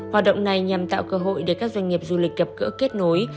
hoạt động này nhằm tạo cơ hội để các doanh nghiệp du lịch gặp gỡ kết nối